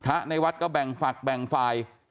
ในวัดก็แบ่งฝักแบ่งฝ่าย